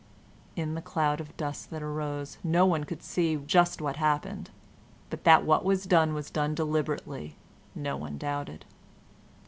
In the cloud of dust that arose no one could see just what happened, but that what was done was done deliberately no one doubted.